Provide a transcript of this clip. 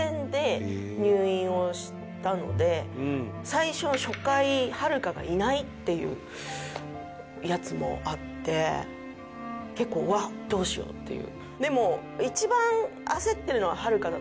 最初初回はるかがいないっていうやつもあって結構「わあどうしよう」っていう。